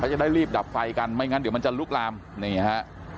จะได้รีบดับไฟกันไม่งั้นเดี๋ยวมันจะลุกลามนี่ฮะ